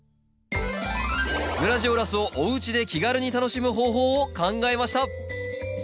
グラジオラスをおうちで気軽に楽しむ方法を考えました！